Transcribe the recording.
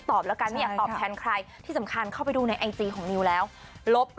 ก็ผมไม่มีครับไม่มีครับ